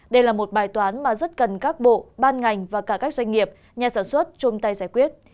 đây là một bài toán mà rất cần các bộ ban ngành và cả các doanh nghiệp nhà sản xuất chung tay giải quyết